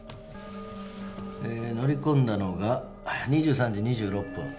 乗り込んだのが２３時２６分